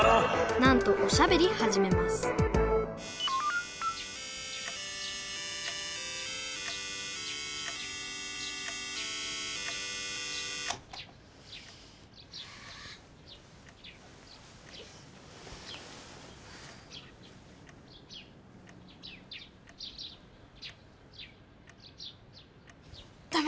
なんとおしゃべりはじめますダメ！